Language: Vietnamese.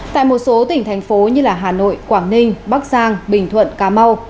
tại một số tỉnh thành phố như hà nội quảng ninh bắc giang bình thuận cà mau